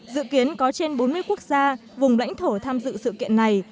dự kiến có trên bốn mươi quốc gia vùng lãnh thổ tham dự sự kiện này